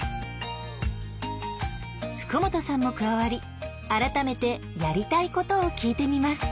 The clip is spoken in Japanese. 福本さんも加わり改めてやりたいことを聞いてみます。